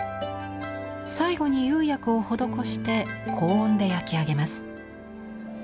最後に釉薬を施して高温で焼き上げます。